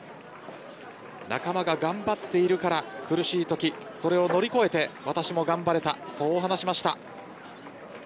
仲間が頑張っているから苦しいときそれを乗り越えて私も頑張れたそう話しました。